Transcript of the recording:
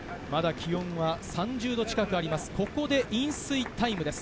気温は３０度近くあります。